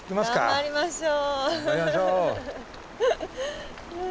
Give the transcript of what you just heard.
頑張りましょう。